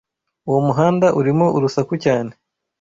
Uwo muhanda urimo urusaku cyane.